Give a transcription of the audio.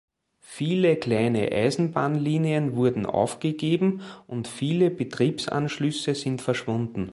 Viele kleine Eisenbahnlinien wurden aufgegeben, und viele Betriebsanschlüsse sind verschwunden.